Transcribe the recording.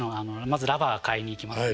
まずラバー買いに行きます。